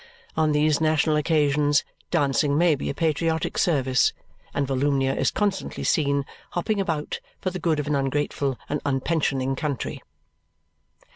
On these national occasions dancing may be a patriotic service, and Volumnia is constantly seen hopping about for the good of an ungrateful and unpensioning country.